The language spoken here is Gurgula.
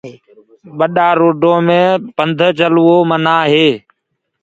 ٻڏآ روڊو مي پنڌ چلوو منآ هي۔